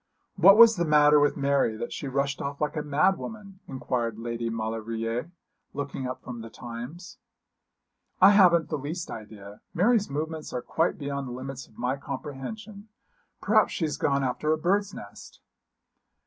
'What was the matter with Mary that she rushed off like a mad woman?' inquired Lady Maulevrier, looking up from the Times. 'I haven't the least idea. Mary's movements are quite beyond the limits of my comprehension. Perhaps she has gone after a bird's nest.'